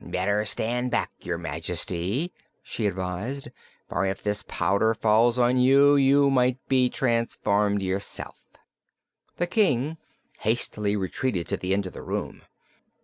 "Better stand back, your Majesty," she advised, "for if this powder falls on you you might be transformed yourself." The King hastily retreated to the end of the room.